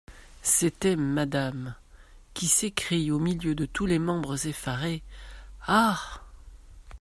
C’était Madame, qui s’écrie au milieu de tous les membres effarés : "Ah !